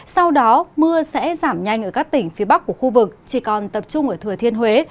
sau đó mưa sẽ giảm nhanh ở các tỉnh phía bắc của khu vực chỉ còn tập trung ở thừa thiên huế